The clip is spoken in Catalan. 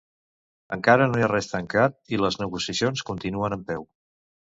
Encara no hi ha res tancat i les negociacions continuen en peu.